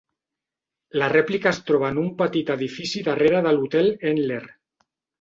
La rèplica es troba en un petit edifici darrere de l'Hotel Entler.